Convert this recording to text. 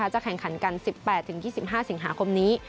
จะแข่งขันกัน๑๘๒๕สิงหาคมนี้